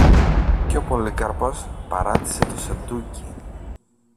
και ο Πολύκαρπος παράτησε το σεντούκι.